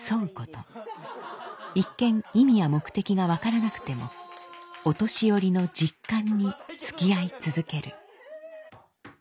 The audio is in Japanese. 一見意味や目的が分からなくてもお年寄りの実感につきあい続ける。